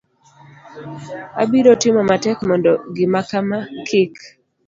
abiro timo matek mondo gimakama kik